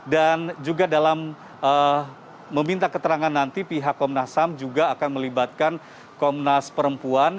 dan juga dalam meminta keterangan nanti pihak komnas ham juga akan melibatkan komnas perempuan